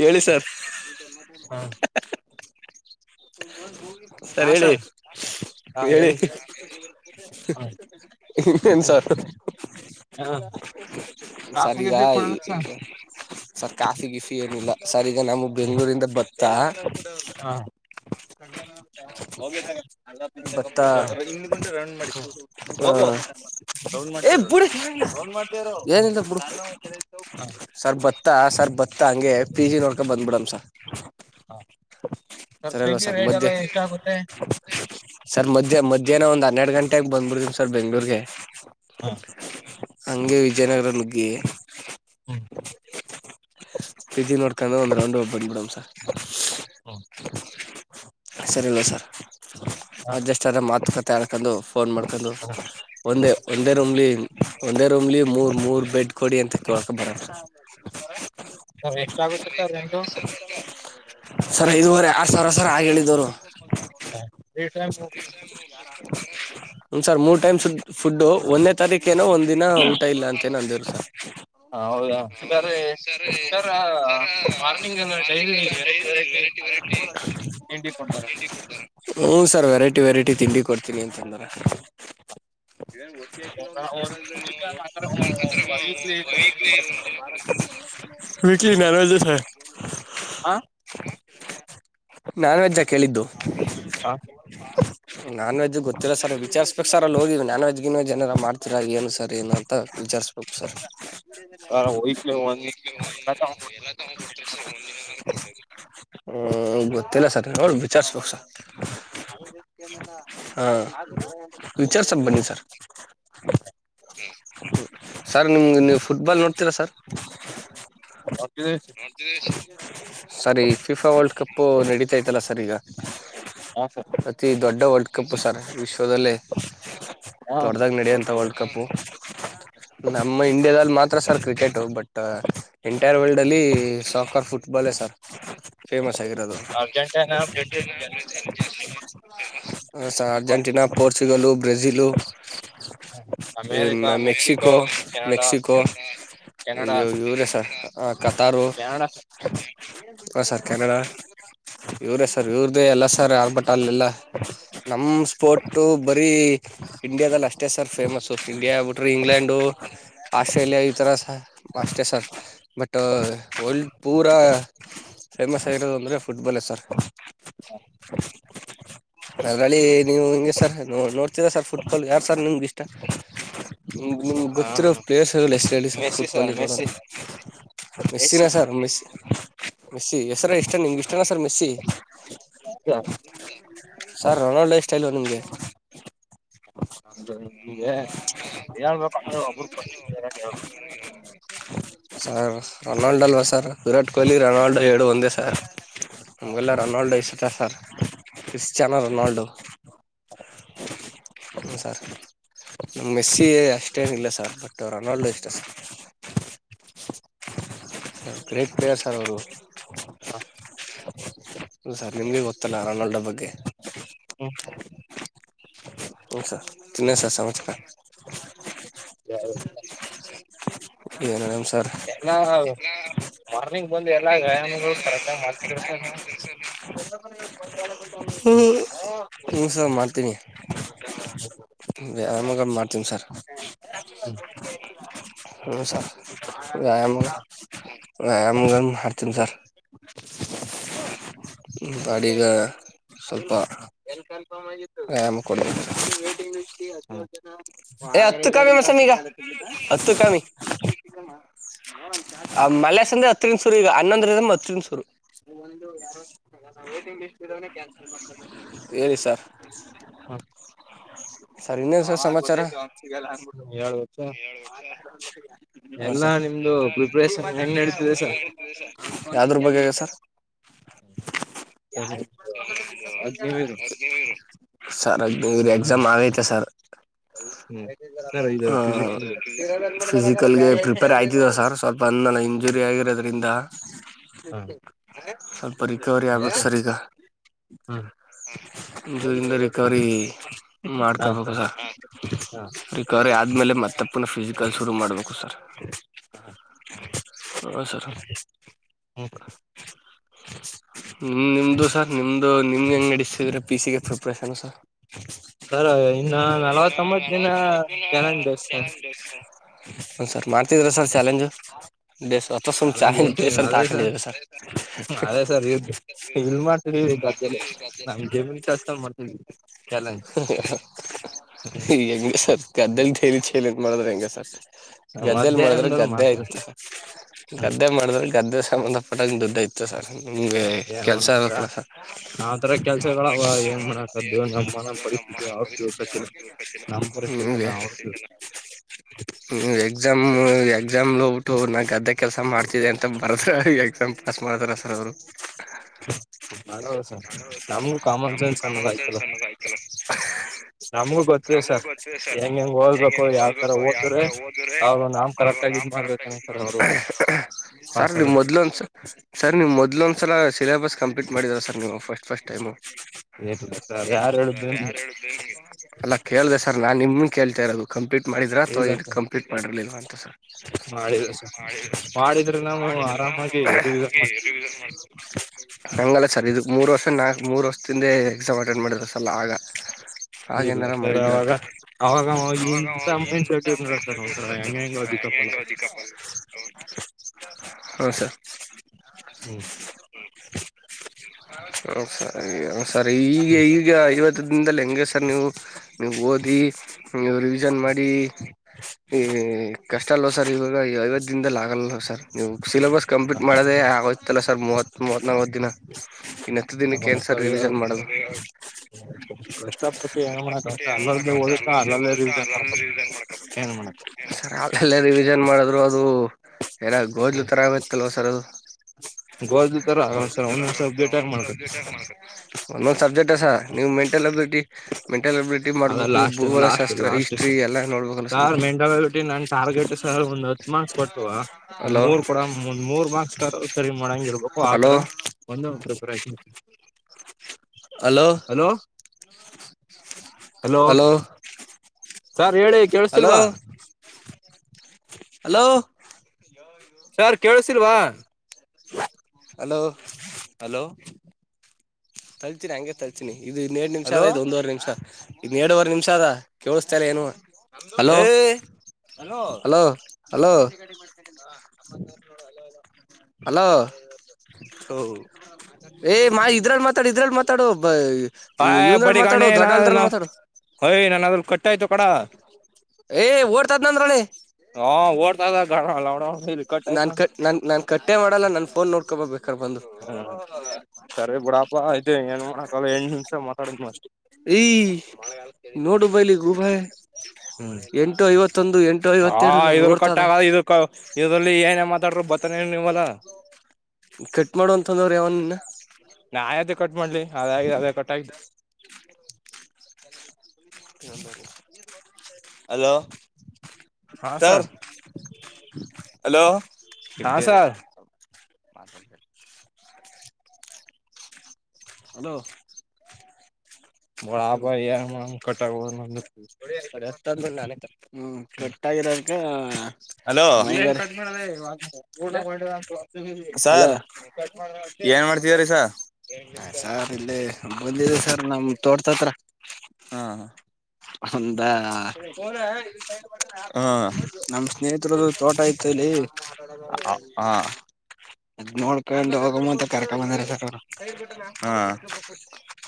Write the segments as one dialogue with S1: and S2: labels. S1: ಹೇಳಿ ಸರ್ ಹಾ ಹಾ
S2: ಸರಿ ಹೇಳಿ
S1: ಸರ್
S2: ಹೇಳಿ ಇನ್ ಸಾರು
S1: ಕಾಫಿ
S2: ಸರ್ ಈಗ
S1: ಗೀಫಿ ಕುಡುದ್ರ ಸರ್
S2: ಈಗ ಸರ್ ಕಾಫಿ ಗಿಫಿ ಏನಿಲ್ಲ ಸರ್ ಈಗ ನಮ ಬೆಂಗ್ಳೂರಿಂದ ಬತ್ತಾ
S1: ಹಾ
S2: ಹ್
S1: ಹಾ
S2: ಗುಂಟೆ ರನ್ ಮಾಡಿ
S1: ಸರ್
S2: ಹ ಸರ್
S1: ಪಿ
S2: ಸರಿಲ್ಲ
S1: ಜಿ
S2: ಸರ್
S1: ರೇಟ್ ಎಲ್ಲ
S2: ಮದೆ
S1: ಎಷ್ಟಾಗುತ್ತೆ
S2: ಸರ್ ಮಧ್ಯಾಹ ಮ್ಯಾಹ್ನ ಒ್ ಹೆರ ಗಂಟೆಗೆ ಬಂದಬಿರ್ತಮ್ ಸರ್ ಬೆಂಗಗಳೂರ್ಗೆ
S1: ಹಾ
S2: ಹಂಗೆ ವಿಜಯನಗರ ನುಗ್ಗಿ
S1: ಹ್ಮ್
S2: ಜ್ ನೋಕೊಂಡ್ರ ಒಂದು ರೌ್ ಒಬ ಬಂದ್ ಬಿಡಮ ಸರ್
S1: ಹ್ಮ್
S2: ಸರಿ ಇಲ್ವಾ ಸರ್
S1: ಹಾ
S2: ಅಡ್ಜಸ್ಟ್ ಆದರೆ ಮಾತು ಕತೆ ಹೇಳ್ಕೊಂಡು ಫೋನ್ ಮಾಡ್ಕೊಂಡು ಒಂದೇ ಒಂದೇ ರೂಮ್ಲಿ ಒಂದೇ ರೂಮ್ಲಿ ಮೂರ್ ಮೂರ್ ಬೆಡ್ ಕೊಡಿ ಅಂತ ಕಕ ಬರಂಸರ್ [unintelligible]
S1: ಸರ್ ಎಷ್ಟ ಆಗುತ್ತೆ ಸರ್ ರೆಂಟು
S2: ಸರ್ ಐದುವರೆ ಆರ್ ಸಾವಿರ ಸರ್ ಆ ಹೇಳಿದರು
S1: [unintelligible]
S2: ಹ್ ಸರ್ ಮೂರ್ ಟೈಮ್ ಸುಡ್ ಫುಡ್ ಒಂದೇ ತಾರೀಕೇನೋ ಒಂದ್ ದಿನ ಊಟ ಇಲ್ಲ ಅಂತಏ ಅಂದೇ್ರು ಸರ್
S1: ಹ ಹೌದಾ ಸರ್ ಸರ್ ಮಾರ್ನಿಂಗ್ ಎಲ್ಲ ಡೈಲಿ ವೆರೈಟಿ ವೆರೈಟಿ
S2: ವೆರೈಟಿ ತಂಬ
S1: ತಿಂಡಿ ಕೊಡ್ತಾರೆ
S2: ತಿಂಡಿ ಕೊಡ್ತಾರ. ಹೂ ಸರ್ ವೆರೈಟಿ ವೆರೈಟಿ ತಿಂಡಿ ಕೊಡ್ತೀನಿ ಅಂತದರ ಏನ್ ಗೊ [unintelligible] ಕೇರಳ ವೀಕ್ಲಿ ನಾನ್ ವಜ ಸ
S1: ಹಾ
S2: ನಾನ್ ವೆಜ್ ನ ಕೇಳಿದ್ದು
S1: ಹಾ
S2: ನಾನ್ ವೆಜ್ ಗೊತ್ತಿಲ್ಲ ಸರ್ ವಿಚ್ರಸಬೇಕು ಸರ್ ಅಲ್ಲಿ ಹೋಗಿ ನಾನ್ ವಜ್ ಗಿನ್ ವೆಜ್ ಎನ್ನದ್ರೂ ಮಾಡ್ತಿರ ಏನು ಸರ್ ಏನು ಅಂತ ವಿಚಾರಿಸ್ಬೇಕು ಸರ್
S1: ಸ ಟ್ಲ ಒನ್ [unintelligible]
S2: ಎಲ್ಲ ತೊಗೊ ಹ್ ಸರ್ ಒಂದು ದಿನ ಕೊಡ್ಲೇ ಬೇಕು ಹ್ಮ್ ಗೊತ್ತಿಲ್ಲ ಸರ್ ನೋಡ್ ವಿಚಾರ್ಸಬೇಕು ಸರ್ ಹಾ ವಿಚಾರ್ಸನ ಬನ್ನಿ ಸರ್ ಸರ್ ನಿಮ್ಗೆ ನೀ ಫುಟ್ಬಾಲ್ ನೋಡ್ತೀರಾ ಸರ್
S1: ಹತ್ತ
S2: ಸರಿ ಫಿಫಾ ವರ್ಲ್ಡ್ ಕಪು ನಡೀತೈತಲ್ಲ ಸರ್ ಈಗ
S1: ಹಾ ಸರ್
S2: ಅತಿ ದೊಡ್ಡ ವರ್ಲ್ಡ್ ಕಪ್ ಸರ್ ವಿಶ್ವದಲ್ಲೇ ದೊಡ್ಡದಾಗ ನಡೆಯಂತ
S1: ಹಾ
S2: ವರ್ಲ್ಡ್ ಕಪ್ ನಮ್ಮ ಇಂಡಿಯಾದಲ್ಲಿ ಮಾತ್ರ sir cricket but entire world ಅಲ್ಲಿ ಸಾವಕರ್ ಫುಟ್ಬಾಲ್ ಲೇ ಸರ್ ಫೇಮಸ್ ಆಗಿರೋದು ಹೌದು
S1: Argentina
S2: sir
S1: Brazil
S2: Argentina Brazil ಆ ಆ ಆ sir
S1: football
S2: Argentina Portugal Brazil ಎ
S1: ಅಮೇರಿಕಾ
S2: ಮೆ ಮೆಕ್ಸಿಕೋ
S1: ಕೆನಡಾ
S2: ಮೆಕ್ಸಿಕೋ
S1: ಕೆನಡಾ
S2: ಇವರೆ ಸರ್ ಹ ಕತಾರು
S1: ಕೆನಡಾ
S2: ಹ ಸರ್ ಕೆನಡ ಇವ್ರೇ ಸರ್ ಇವ್ರ್ದೇ ಎಲ್ಲ ಸರ್ ಆಲ್ ಬಟ್ ಅಲ್ಲಿ ಎಲ್ಲಾ ನಮ್ ಸ್ಪೋಟ್ ಬರೀ ಇಂಡಿಯಾದಲ್ಲಿ ಅಷ್ಟೇ ಸರ್ ಫೇಮಸ್ಸು ಇಂಡಿಯಾ ಆಗ್ಬಿಟ್ರಿ ಇಂಗ್ಲೆಂಡು ಆಸ್ಟ್ರೇಲಿಯಾ ಈ ತರ ಸ ಅಷ್ಟೇ ಸರ್ ಬಟ್ ವರ್ಲ್ಡ್ ಪೂರ ಫೇಮಸ್ ಆಗಿರೋದು ಅಂದ್ರೆ ಫುಟ್ಬಾಲೇ ಸರ್.
S1: [unintelligible]
S2: ಅದರಲ್ಲಿ ನೀವು ಹಿಂಗೆ ಸರ್ ನ ನೋಡ್ತೀರಾ ಸರ್ ಫುಟ್ಬಾಲ್ ಯಾರು ಸರ್ ನಿಮ್ಗಿಷ್ಟ. ಮ ನಿಮ್ಗೆ ಗೊತ್ತಿರೋ ಪ್ಲೇರ್ಸ್ಗಳು ಎಷ್ಟು ಹೇಳಿ ಸರ್
S1: ಮೆಸ್ಸಿ
S2: ಫುಟ್ಬಾಲಿಗೆ ನೋಡೋ
S1: ಮೆಸ್ಸಿ
S2: ಮೆ್ಸಿನ
S1: ಮೆಸ್ಸಿ
S2: ಸರ್ ಮೆಸ್ ಮೆಸ್ಸಿ ಹೆಸರು ಇಷ್ಟ ನಿಮ್ಗೆ ಇಷ್ಟನಾ sir Messi sir Ronaldo life ಸ್ಟೈಲ್ವಾ ನಿಮ್ಗೆ
S1: ಒಬ್ಬ ಹೇಳ್ಬೇಕು ಒಬ್ಬ್ರುದು ಹೇಳಬೇಕು
S2: ಹ ಸರ್ ರೊನಾಲ್ಡೋ ಅಲ್ವಾ ಸರ್ ವಿರಾಟ್ ಕೊಹ್ಲಿ ರೊನಾಲ್ಡೋ ಎರಡು ಒಂದೇ ಸರ್ ನಮ್ಗೆಲ್ಲ ರೊನಾಲ್ಡೋ ಇಸತ್ತೆ ಸರ್ ಕ್ರಿಶ್ಾನೋ ರೊನಾಲ್ಡೊ ಹೂ ಸರ್ ನಮ್ ಮೆಸ್ಸಿ ಅಷ್ಟೇನ್ ಇಲ್ಲ ಸರ್ ಬಟ್ ರೊನಾಲ್ಡು ಇಷ್ಟ ಸರ್ ಗ್ರೇಟ್ ಪ್ಲೇಯರ್ ಸರ್ ಅವ್ರು ಹ ಸರ್ ನಿಮ್ಗೆ ಗೊತ್ತಲ್ಲ ರಾನೋಲ್ಡ ಬಗ್ಗೆ
S1: ಹೂ
S2: ಹೂ ಸರ್ ಇಲ್ಲ ಸಾರ್ ಸಮಾಚಾರ ಏನ್ ಹೆಲ್ಮ್ ಸರ್
S1: ಎಲ್ಲಾ
S2: ಎಲ್ಲ
S1: ಮಾರ್ನಿಂಗ್ ಬಂದು ಎಲ್ಲಾ
S2: ಮಾರ್ನಿಂಗ್ ಬಂದು ಎಲ್ಲ
S1: ವ್ಯಾಯಾಮಗಳು ಕರೆಕ್ಟ್ ಆಗಿ ಮಾಡ್ತಿದ್ರ
S2: ಕರೆಕ್ಟಾಗಿ
S1: ಸರ್
S2: ಮಾಡ್ತಿದ್ರ ಸರ್ ನೀವು
S1: ನೀವು ಹೇಳ್ಬೇಕು
S2: ಹೂ ಸರ್ ಮಾಡ್ತೀನಿ ವ್ಯಾಮ ಮಾಡ್ತೀವಿಿ ಸರ್ ಹೂ ಸರ್ ಆ ಮ ವಾಮ ಗ ಮಾಡಾಡ್ತೀನ್ಿ ಸರ್ ಬಾಡಿಗ ಸ್ವಲ್ಪ
S1: ಚಿಕ್ಕನ್ ಕಲ್ಪ ಆಗಿತ್ತುಂಗ್ [inaudible]
S2: ಹೇ
S1: [inaudible] ಹ ಚ
S2: ಆ ಮಲೆಸಂದ್ರೆ ಹತ್ತರಿನ್ ಸೂರು ಈಗ ಹನ್ನೊಂದ್ರ ಅ ಹತ್ತರಿನ್ಸೂರು
S1: ಟಿಂಗ್ ಲಿಸ್ಟ್ ಇ ಕ್ಯಾನ್ಸಲ್ ಮಾಡ್ತ
S2: ಹೇಳಿ ಸರ್ ಸರ್ ಇನ್ನೇನು
S1: ಅವ
S2: ಸರ್ ಸಮಾಚಾರ
S1: ಗೊತ್ತಾಯ್ ಒನ್ಸಿಗೆಲ್ಲ ಅಂದ್ಬಿಟ್ಟು ಹೇಳ
S2: ಹಾಂ
S1: ಎಲ್ಲಾ
S2: ಸರ್
S1: ನಿಮ್ದು ಪ್ರಿಪರೇಷನ್ ಹೆಂಗ ನಡೀತಿದೆ ಸಾರ್
S2: ಯಾವ್ದ್ರ ಬಗ್ಗೆಗ ಸರ್
S1: ಹೇಳ್ಬೇಡಿ
S2: ಸರ್ ಅದು ಎಕ್ಸಾಮ್ ಆಯ್ತು ಸರ್
S1: ಸರ್ ಇದು
S2: ಹ
S1: ಫಿಸಿಕ್ಸ್
S2: ಫಿಸಿಕಲ್ಗೆ ಪ್ರಿಪೇರ್ ಆಯ್ತಿದೆ ಸರ್ ಸ್ವಲ್ಪ ನನ್ನಾಣೆ ಇಂಜುರಿ ಆಗಿದ್ದರಿಂದ
S1: ಹಾ
S2: ಸ್ವಲ್ಪ ರಿಕವರಿ ಆಗ್ಬೇಕ ಸರ್ ಈಗ. ಜೀವ್ನದಲ್ಲಿ ರಿಕವರಿ ಮಾಡ್ಕೋಬೇಕು ಸರ್.
S1: ಹಾ
S2: ರಿಕವರಿ ಆದ್ಮೇಲೆ, ಲೆ ಮತ್ತೆ ಪುನ್ಹ ಫಿಸಿಕಲ್ ಶುರು ಮಾಡ್ಬೇಕು ಸರ್. ಹ್ಮ್ ಸರ್.
S1: [inaudible]
S2: [inaudible] ಹ್ಮ್ ನಿಮ್ದು ಸರ್ ನಿಮ್ದು ನಿಮ್ಗೆ ಹೆಂಗೆಡಸ್ಸಿದ್ರೆ ಪಿ ಸಿ ಗೆ [unintelligible] ಸರ್
S1: ಸರ್ ಇನ್ನ
S2: ಸರ್ ಇನ್ನ
S1: ನಲವತ್ತೊಂಬತ್ ದಿನ
S2: ನಲವತ್ತೊಂಬತ್ತ ದಿನ
S1: ಚಾಲೆಂಜ್ ಸರ್
S2: [unintelligible] ಹ್ಞ ಸರ್ ಮಾಡ್ತಿದಿರಾ ಸರ್ ಚಾಲೆಂಜು. ದೇಶ ಅಥಷ್ಟ ಒಂದ್
S1: ಚಾಲೆಂಜ್
S2: ಚಹೆಜ್ ದೇಶ ಅಂತ ಹಾಕೊಂಡಿದಿರಾ ಸರ್.
S1: ಅದೇ ಸರ್ ಇದ್
S2: [inaudible]
S1: ಇಲ್ ಮಾಡ್ತಿದೀವಿ ಗದ್ದೆಲಿ ನಮ್ ಜಮೀನ್ ಕೆಲ್ಸದಲ್ಲಿ ಮಾಡ್ತಿದ್ವಿ ಚಾಲೆಂಜ್
S2: ಈ ಹೆಂಗ ಸರ್ ಗದ್ದಲ್ ಲಿ ಚೇಲ್ ಎನ್ ಮಾಡದ್ರ ಹೆಂಗೆ ಸರ್.
S1: ನಮ್
S2: ಗದ್ದೆಲಿ ಮಾಡಿದ್ರೆ
S1: ಅಧ್ಯಾಯದಲ್ಲಿ
S2: ಗದ್ದೆ
S1: ಮಾಡ್ತಾರೆ
S2: ಆಯ್ತ ಗದ್ದೆ ಮಾಡಿದ್ರೆ ಗದ್ದ ಸಂಬಂಧ [unintelligible] ನಿಮಗೆ
S1: ಏನ್
S2: ಕೆಲ್ಸ
S1: ಮಾಡಕ್ಕ
S2: ಆಗ್ಬೇಕಲ್ಲ ಸರ್.
S1: ಆತರ ಕೆಲ್ಸಗಳವ ಏನ್ ಮಾಡಕದ್ದು ನಮ್ಮ ನಮ್ ಪರಿಸ್ಥಿತಿ ಅವ್ರ ತಿಳ್ಕತಿಲ್ಲ ನಮ್ ಪರಿಸ್ಥಿತಿ ನಾ ಅವ್ರ
S2: [unintelligible] ಎಕ್ಸಾಮ್ ಎಕ್ಸಾಮ್ ಹೋಗಬಿಟ್ಟು ನಾ ಗದ್ದ, ಕೆಲಸ ಮಾಡ್ತಿದೆ ಅಂತ ಬರೋಸ್ ಎಕ್ಸಾಮ್ ಪಾಸ್ ಮಾಡದ್ರ ಸರ್ ಅವ್ರು.
S1: [inaudible] ಸರ್ ನಮ್ಗೂ
S2: [unintelligible]
S1: ಕಾಮನ್ ಸೆನ್ಸ್ ಅನ್ನೋದ್ ಆಯ್ತಲ್ಲ ನಮ್ಗೂ ಗೊತ್ತಿದೆ
S2: ನಮ್ಗೂ
S1: ಸರ್
S2: ಗೊತ್ತಿದೆ ಸರ್
S1: ಹೆಂಗ್
S2: ಹೆಂಗ್
S1: ಓದ್ಬೇಕು
S2: ಹೆಂಗ್
S1: ಯಾವ್ ತರ
S2: ಓದ್ಬೇಕು. ಯಾವ್
S1: ಓದಿದ್ರೆ
S2: ತರ ಓದ್ರೆ
S1: ಅವ್ರು ನಾವ್
S2: ಅವಾಗ
S1: ಕರೆಕ್ಟ್ ಆಗಿ
S2: ನಾಮ್
S1: ಇದ್
S2: ಕರಕ್
S1: ಮಾಡ್ಬೇಕಂತಾರ ಅವ್ರು
S2: ಸರ್
S1: ಪಾಸ್ ಆಗ
S2: ನಿವು ಮೊದ್ಲಂದು ಸರ್ ನಿವು ಮೊದ್ಲೊ ಒಂದ್ ಸಲ ಸಿಲೇಬಸ್ ಕಂಪ್ಲೀಟ್ ಮಾಡಿದರ ಸರ್ ನೀವು. ಫಸ್ಟ್ ಫಸ್ಟ್ ಟೈಮು
S1: ಇಲ್ಲ ಸರ್ ಯಾರು ಹೇಳಿದ್ರು ನಿಮ್ಗೆ
S2: ಅಲ್ಲ ಕೇಳ್ದ ಸರ್ ನಾನ್ ನಿಮ ಕೇಳ್ತಾ ಇರೋದು. ಕಂಪ್ಲೀಟ್, ಮಾಡಿದ್ರ ಅಥವಾ
S1: ಇಲ್ಲ ಸರ್
S2: ಕಂಪ್ಲೀಟ್ ಮಾಡಿರ್ಲಲ್ವಾ ಅಂತ ಸರ್.
S1: ಮಾಡಿಲ್ಲ ಸರ್
S2: [unintelligible]
S1: ಮಾಡಿದ್ರೆ ನಾವು ಆರಾಮಾಗಿ ರಿವಿಸನ್ ಮಾಡ್ತೀವಿ
S2: ರಿವಿಸನ್ ಮಾಡ್ತವಿ
S1: [inaudible]
S2: ಹಂಗಲ್ಲ ಸರ್ ಇದಕ್ಕೆ ಮೂರು ವರ್ಷ ನಾ ಮೂರು ವರ್ಷದಿಂದೆ ಎಕ್ಸಾಮ್ ಅಟೆಂಡ್ ಮಾಡಿದ್ರಲಾ ಆಗ. ಹಾಗ
S1: ಇಲ್ಲ
S2: ಏನ್ರ
S1: ಸರ್
S2: ಮಾಡಿದ್ರರ
S1: ಅವಾಗ
S2: ಅಂತ
S1: ಅವಾಗ ಇಂಥ ಮೈಂಡ್ ಸೆಟ್ ಇರಲಿಲ್ಲ ಸರ್ ಒಂಥರ ಹೆಂಗೆ ಹೆಂಗೋ ದಿಕ್ಕಾಪಾಲ
S2: ಹ್ಮ್ ಸರ್.
S1: [inaudible]
S2: ಹ ಸರಿ ಸರಿ ಈಗ
S1: ಹ್ಞೂ
S2: ಈಗ ಐವತ್ತ, ಜೇವ್ನದಲ್ಲಿ ಹೆಂಗೆ ಸರ್ ನೀವು ನೀವು ಓದಿ, ನೀವು ರಿವಿಷನ್ ಮಾಡಿ, ಹ್ಮ್ ಕಷ್ಟ ಇಲ್ ಸರ್ ಇವಾಗ ಐವತ್ತು ದಿನದಲ್ಲಿ ಆಗಲ್ಲ ಸರ್ ನೀವು ಸೆಲೆಬಸ್ ಕಂಪ್ಲೀಟ್ ಮಾಡೋದೇ ಆಗ ಸರ್ ಮೂವತ್ ಮೂವತ್ ನಲ್ವತ್ತ ದಿನ ಇನ್ನತ್ತ ದಿನಕ್ಕೆ ಏನ್ ಸರ್ ರಿವಿಜನ್ ಮಾಡದ.
S1: ಕಷ್ಟಪಟ್ಟು ಏನು
S2: ಕಷ್ಟಪಟ್ಟು
S1: ಮಾಡೋಕ್ಕಾಗುತ್ತೆ
S2: ಏನ
S1: ಅಲ್ಲಲ್ಲೇ
S2: ಮಾಡಕತ್ತ
S1: ಓದುತ್ತಾ
S2: ಅಲ್ಲ್ದ
S1: ಅಲ್ಲಲ್ಲೇ
S2: ಓದಿಟ್ಟ
S1: ರಿವಿಸನ್
S2: ಅಲ್ಲಲ್ಲಿ ರಿವಿಷನ್
S1: ಮಾಡ್ಕೊಬೇಕು
S2: ಮಾಡಕ,
S1: ಏನು ಮಾಡೋಕ್ಕೆ
S2: ಸರ್ ಅಲ್ಲೆಲ್ಲ ರಿವಿಜನ್ ಮಾಡಿದ್ರು ಅದು ಏನಾದ
S1: ಹ್ಞೂ
S2: ಗೋದ್ಲು ತರ ಆಗತ್ತಲ್ವಾ ಸರ್ ಅದು.
S1: ಗೋಧಿ ಥರ ಆಗಲ್ಲ ಸರ್ ಒಂದೊಂದು ಸಬ್ಜೆಕ್ಟಾಗಿ ಮಾಡ್ಬೇಕು
S2: ಒಂದೊಂದ್ ಸಬ್ಜೆಕ್ಟ್ ಸರ್. ನೀವು ಮೆಂಟಲ್ಬಿಲಿಟಿ ಮೆಂಟಲ್ಬಿಲಿಟಿ
S1: ಅದ
S2: ಮಾಡ್ಬೇಕು
S1: ಲಾಸ್ಟ್ ಲಾಸ್ಟ್
S2: ಭೂಗೋಲಶಾಸ್ತ್ರ
S1: ಲಾಸ್ಟ್
S2: ಹಿಸ್ಟ್ರಿ ಎಲ್ಲ ನೋಡ್ಬೇಕಲ್ಲ ಸರ್
S1: ಸಾರ್
S2: ನೀವು.
S1: ಮೆಂಟಾಲಿಟಿ ನನ್ ಟಾರ್ಗೆಟ್ ಸರ್ ಒಂದ ಹತ್ ಮಾರ್ ಕೊಟ್ಟು, ಒಂದ್
S2: ಹಲೋ
S1: ಮೂರ್ ಕೊಡ ಒಂದ್ ಮೂರ್ ಮಾರ್ಕ್ಸ್ ಸರಿ ಮಾಡಂಗ ಇರ್ಬೇಕು,
S2: ಹಲೋ
S1: ಆತರ ಒಂದು prepare
S2: hello,
S1: hello, hello sir ಹೇಳಿ
S2: ಹಲೋ
S1: ಕೇಳಸ್ತಿಲ್ವಾ,
S2: ಹಲೋ
S1: ಸಾರ್ ಕೇಳಸಲ್ವಾ
S2: ಹಲೋ
S1: ಹಲೋ
S2: ತಳ್ತೀನಿ ಹಂಗೆ ತಳ್ಸಿನಿ ಇದು ಇನ್ನೆರಡ್ ನಿಮಿಷ ಅದ
S1: ಹಲೋ
S2: ಇ ಇದ ಒಂದುವರೆ ನಿಮಿಷ ಇನ್ನ ಎರಡುವರೆ ನಿಮಿಷ ಅದ ಕೇಳಿಸ್ತಾಲ್ಲ ಏನು ಹಲೋ
S1: ಹ್ಮ
S2: ಹಲೋ ಹಲೋ ಹಲೋ ಏ್ ಮಾ ಇದ್ರಲ್ಲಿ ಮಾತಾಡು ಇದ್ರಲ್ಲಿ ಮಾತಾಡು ಬ
S1: ಆಯ್
S2: ಇವನ್ರ
S1: ಬಡಿ
S2: ಮಾತಾಡು
S1: ಗಣೆ
S2: ದೊಡ್ಡ
S1: ನಾ
S2: ಅಲ್ದ್ರಲ್ಲಿ ಮಾತಾಡು
S1: ಯ್ ನಾನು ಅದ್ರ ಕಾಯಯ್ತು ಕಡ
S2: ಏ್ ಓದತದ್ ನಂದ್ರಳಿ
S1: ಹಾ ಓಡ್ತದ ಗಲ್ಲ ಅವಡ
S2: ನಾನು ಕಟ್ ನ ನಾನು ಕಟ್ಟೆ ಮಾಡೋಲ್ಲ ನನ್ನ ಫೋನ್ ನೋಡ್ಕೊಬಬೇಕಾರೆು ಬಂದು
S1: ಹ್ಮ ಸರಿ ಬಿುಡಾಪ್ಪಐತೆ ಏನ್ಕಲ್ಲ ಎಂದ್ ನಿಮಿಷ ಮಾತಾಡಿದ್ ಅಸ್ರ್
S2: ಏ ನೋಟು ಬೈಲಿ ಗು ಭಾಯ
S1: ಹ್ಮ್
S2: ಎಂಟು ಐವತ್ತೊಂದು ಎಂಟು
S1: ಹಾ
S2: ಐವತ್ತೇಳರಡು ನನಗೆ
S1: ಇದ್ರ ಕಟ್
S2: ಓಡ್ತದ
S1: ಆಗ ಇದ ಇದ್ರಲ್ಲಿ ಏನೇ ಮಾತಾಡರು ಬರ್ತಾನ ನೀವಲ್ಲ
S2: ಕೆಟ್ ಮಾಡುವ ಅಂತಂದವ್ರಿ ಯಾವನ್ನ
S1: ನಾ ಯ್ದೇ ಕಟ್ ಮಾಡ್ಲಿ ಅದ ಅದೇ ಕೊಟ್ಟು
S2: ಹಲೋ ಸರ್ ಹಲೋ
S1: ಹಾ
S2: ಕ
S1: ಸರ್
S2: ಮಾತಾಡ್ತ ಹಲೋ
S1: ಬಾಬ ಕಟ [unintelligible]
S2: ಟೈರಾರಕ ಭಯಂಗರ
S1: ಸಾರ್
S2: ಹಲೋಸ
S1: ಏನ್ ಮಾಡ್ತಿದೀರಿ ಸಾರ್
S2: ಇಲ್ಲೇ ಬಂದಿದೆ ಸರ್ ನಮ ತೋಟದತ್ರ
S1: ಹಾ
S2: ಒಂದ
S1: ಹಾ
S2: ನಮ ಸ್ನೇಹತ್ರರದು ತೋಟ ಇತ ಇಲ್ಲಿ
S1: ಹಾ
S2: ಅದ ನೋಡ್ಕೊಂಡು ಹೋಗ ಮತ್ತ ಕರ್ಕೊ ಬಂದಾರ ಸಕರು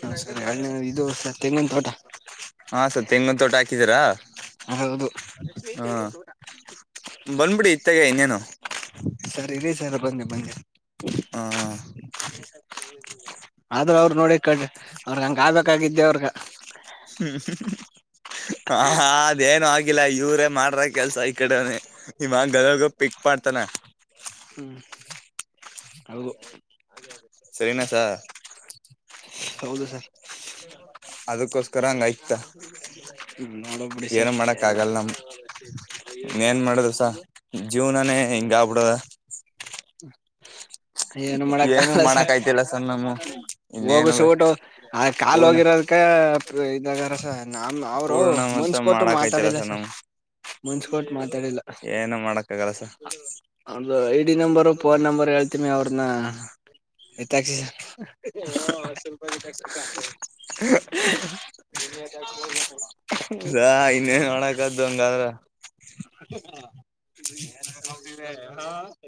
S2: ಹಾ ಸರಿ ಎನೇ ಇದು ಸ ತಂಗಿನ್ ತೋಟ
S1: ಹಾ ಸರ್ ತೆಂಗಿನ ತೋಟ ಹಾಕಿದೀರಾ
S2: ಹೌದು
S1: ಹಾ ಬಂದ್ಬಿಡಿ ಇತ್ತಾಗ ಇನ್ನೇನು
S2: ಸರಿ ಇೇ ಸರ್ ಬನ್ನಿ ಬಂದಿೆ
S1: ಹ
S2: ಆದ್ರೂ ಅವ್ರರು ನೋಡಿ ಕ ಅವ್ರಗ್ ಹಂಗ ಆಬೇಕಾಗಿದ್ದೆ ಅವ್ರಗ
S1: ಹ್ಮ ಹ ಹಾ ಅದೇನು ಆಗಿಲ್ಲ ಇವ್ರೇ ಮಾಡ್ರ ಕೆಲ್ಸ ಈ ಕಡೆನನೆ ಇವಾಗ ಗ
S2: ಹ್ಮ್ ಹೌದು
S1: ಸರಿನಾಸ
S2: ಹೌದು ಸರ್
S1: ಅದಕ್ಕೋಸ್ಕರ ಹಂಗ ಐತ
S2: ಹ್ಮ್ ನೋಡ ಬಿಡಿ
S1: ಏನ್
S2: ಸರ್
S1: ಮಾಡಕ್
S2: ಏನ
S1: ಆಗಲ್ಲ ನಮ ಇ ಏನ್ ಮಾಡದು ಸ ಜೀವನಾನೇ ಹಿಂಗ ಆಗ್ಬಿಡದ.
S2: ಹ
S1: ಹ
S2: ಏನು ಮಾಡಕಲ್ಲ ಸ
S1: ನಮ್ಮ ಇನ್ನೇನು
S2: ಹೋಗಸೂಟು ಆ ಕಾಲ್
S1: ಪೂರ್ಣ
S2: ಹೋಗಿರೋದಕ್ಕ ಇದಾಗಾರ ಸ ನಮ್ಮ ಅವರು
S1: ಪೂರ್ಣ ಮತ್ತ
S2: ಮುನ್ಸ್ ಕೊಟ್ಟು
S1: ಮಾಡಕ್ ಐತಿಲ್ಲ
S2: ಮಾತಾಡಿಲ್ಲ ಸರ್.
S1: ನಮ್
S2: ಮನ್ಸ್ ಕೊಟ್ಟು ಮಾತಾಡಿಲ್ಲ.
S1: ಏನು ಮಾಡಕ್ ಆಗಲ್ಲ ಸರ್
S2: ಅವ್ನ್ದು I D number phone number ಹೇಳ್ತೀನಿ ಅವ್ರನ್ನ ಎತ್ತಾಕ್ಸಿ.
S1: ಹ ಹ ಇನ್ನೇನ್ ಮಾಡಕಾದು ಹಂಗಾದ್ರ.
S2: ಹ [unintelligible]